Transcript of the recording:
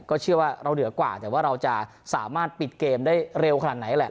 เชื่อว่าเราเหนือกว่าแต่ว่าเราจะสามารถปิดเกมได้เร็วขนาดไหนแหละ